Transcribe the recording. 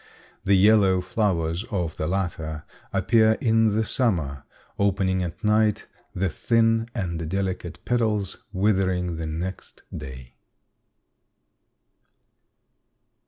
The yellow flowers of the latter appear in the summer, opening at night, the thin and delicate petals withering the next day.